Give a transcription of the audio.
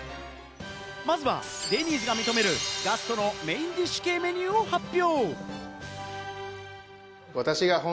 まずはデニーズが認める、ガストのメインディッシュ系メニューを発表！